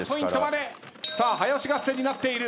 さあ早押し合戦になっている。